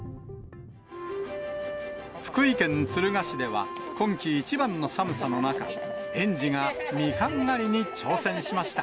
福井県敦賀市では、今季一番の寒さの中、園児がミカン狩りに挑戦しました。